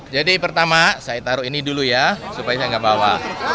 jadi pertama saya taruh ini dulu ya supaya saya enggak bawa